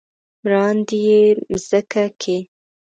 مراندې يې مځکه کې ،